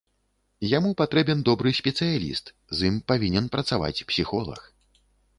Яму патрэбен добры спецыяліст, з ім павінен працаваць псіхолаг.